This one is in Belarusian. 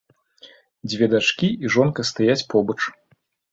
Дзве дачкі і жонка стаяць побач.